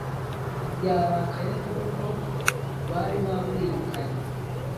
Yarakaye kuko bari bamwirukanye